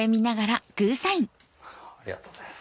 ありがとうございます。